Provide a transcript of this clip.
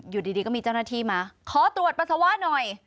อยู่ดีก็มีเจ้าหน้าที่มาขอตรวจปัสสาวะหน่อย